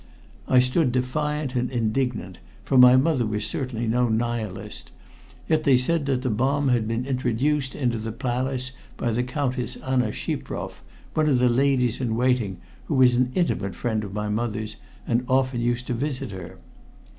I stood defiant and indignant, for my mother was certainly no Nihilist, yet they said that the bomb had been introduced into the palace by the Countess Anna Shiproff, one of the ladies in waiting, who was an intimate friend of my mother's and often used to visit her.